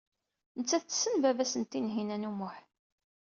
Nettat tessen baba-s n Tinhinan u Muḥ.